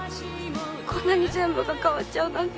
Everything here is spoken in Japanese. こんなに全部が変わっちゃうなんて。